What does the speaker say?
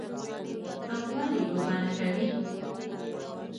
_ته ولې لوبه نه کوې؟